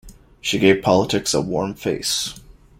She gave politics a warm face.